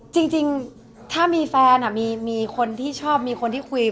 จริงถ้ามีแฟนมีคนที่ชอบมีคนที่คุย